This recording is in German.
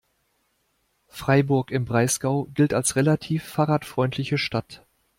Freiburg im Breisgau gilt als relativ fahrradfreundliche Stadt.